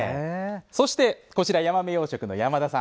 そして、ヤマメ養殖の山田さん。